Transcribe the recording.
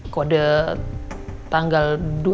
kode tanggal dua ribu tiga ratus sembilan